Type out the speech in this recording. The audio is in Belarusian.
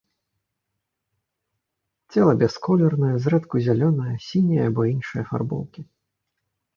Цела бясколернае, зрэдку зялёнае, сіняе або іншай афарбоўкі.